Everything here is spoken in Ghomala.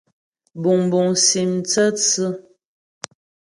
Buŋbuŋ sim tsə́tsʉ́.